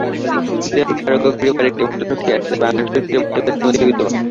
দেহকে আরোগ্য করিবার একটিমাত্র শক্তিই আছে, এবং ঐ শক্তি প্রত্যেক ব্যক্তির মধ্যে বিদ্যমান।